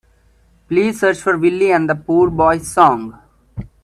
Please search for Willy and the Poor Boys song.